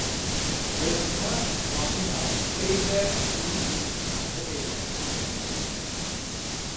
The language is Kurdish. Rêziman zanîna peyve û nivîsandinê ye